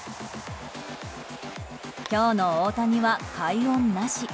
今日の大谷は快音なし。